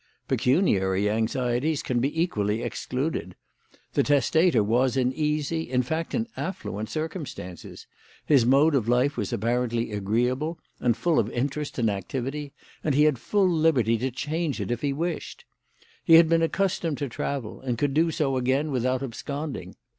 Pecuniary anxieties can be equally excluded. The testator was in easy, in fact, in affluent circumstances. His mode of life was apparently agreeable and full of interest and activity, and he had full liberty to change it if he wished. He had been accustomed to travel, and could do so again without absconding.